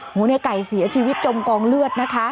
ในไก่เสียชีวิตจมกองเลือดนะคะ